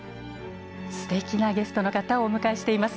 すてきなゲストの方をお迎えしています。